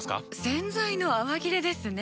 洗剤の泡切れですね。